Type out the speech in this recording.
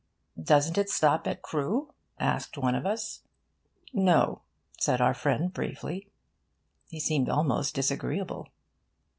'Doesn't it stop at Crewe?' asked one of us. 'No,' said our friend, briefly. He seemed almost disagreeable.